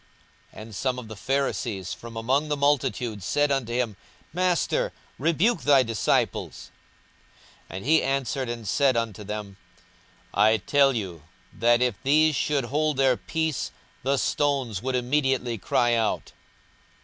42:019:039 And some of the Pharisees from among the multitude said unto him, Master, rebuke thy disciples. 42:019:040 And he answered and said unto them, I tell you that, if these should hold their peace, the stones would immediately cry out.